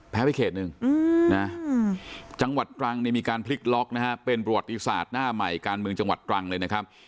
ไปเขตหนึ่งนะจังหวัดตรังนี่มีการพลิกล็อกนะฮะเป็นประวัติศาสตร์หน้าใหม่การเมืองจังหวัดตรังเลยนะครับ